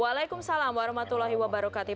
waalaikumsalam warahmatullahi wabarakatuh